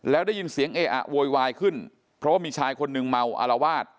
แล้วได้ยินเสียงเออะโวยวายขึ้นเพราะว่ามีชายคนหนึ่งเมาอารวาส